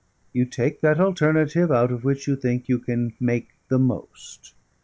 You take that alternative out of which you think that you can make the most.